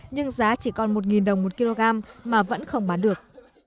nhưng giá chỉ còn một đồng một kg mà vẫn không bán được